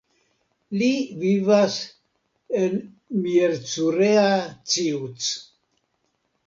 Li vivas en Miercurea Ciuc.